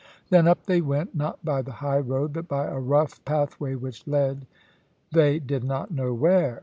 Then up they went, not by the high road, but by a rough pathway, which led they did not know where.